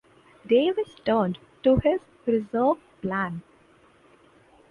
Davis turned to his reserve plan.